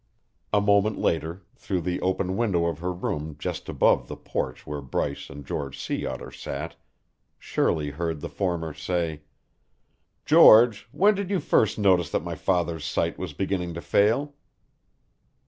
A moment later, through the open window of her room just above the porch where Bryce and George Sea Otter sat, Shirley heard the former say: "George, when did you first notice that my father's sight was beginning to fail?"